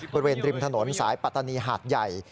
บริเวณริมถนนสายปัตตานีหาดใหญ่